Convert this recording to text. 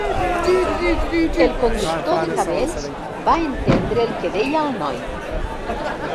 El conductor de camells va entendre el que deia el noi.